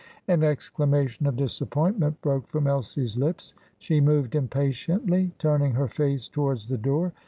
An exclamation of disappointment broke from Elsie's lips; she moved impatiently, turning her face towards the door.